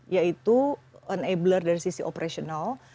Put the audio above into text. yaitu enabler dari sisi operational